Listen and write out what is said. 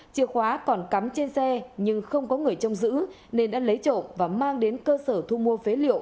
chìa khóa còn cắm trên xe nhưng không có người trông giữ nên đã lấy trộm và mang đến cơ sở thu mua phế liệu